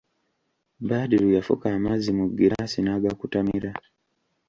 Badru yafuka amazzi mu girasi n'agakutamira.